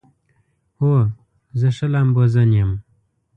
هو، زه ښه لامبوزن یم